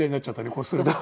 こうすると。